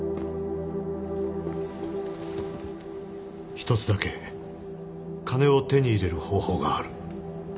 １つだけ金を手に入れる方法がある